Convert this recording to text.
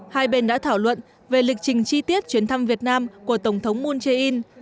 hai bên đã thảo luận về lịch trình chi tiết chuyến thăm việt nam của tổng thống moon jae in